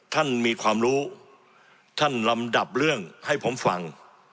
ท่านมีความรู้ท่านลำดับเรื่องให้ผมฟัง